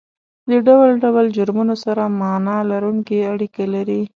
د ډول ډول جرمونو سره معنا لرونکې اړیکه لري